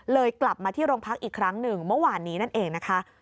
กลับมาที่โรงพักอีกครั้งหนึ่งเมื่อวานนี้นั่นเองนะคะ